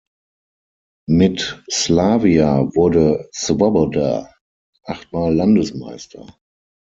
Mit Slavia wurde Svoboda acht Mal Landesmeister.